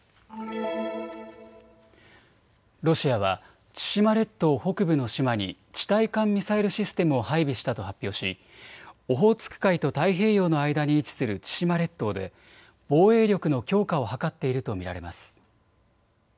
ロシアは千島列島北部の島に地対艦ミサイルシステムを配備したと発表し、オホーツク海と太平洋の間に位置する千島列島で防衛力の強化を図っていると見られます。